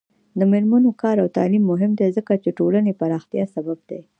د میرمنو کار او تعلیم مهم دی ځکه چې ټولنې پراختیا سبب دی.